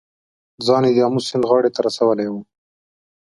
ځان یې د آمو سیند غاړې ته رسولی و.